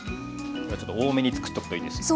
ちょっと多めに作っとくといいですよ。